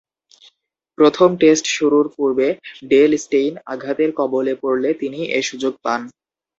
প্রথম টেস্ট শুরুর পূর্বে ডেল স্টেইন আঘাতের কবলে পড়লে তিনি এ সুযোগ পান।